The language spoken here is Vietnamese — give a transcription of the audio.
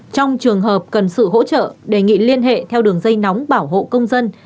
trong trường hợp cần sự hỗ trợ đề nghị liên hệ theo đường dây nóng bảo hộ công dân